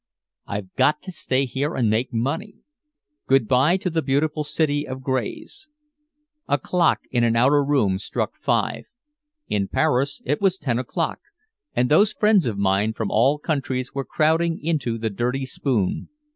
"I've got to stay here and make money." Good by to the Beautiful City of Grays. A clock in an outer room struck five. In Paris it was ten o'clock, and those friends of mine from all countries were crowding into "The Dirty Spoon."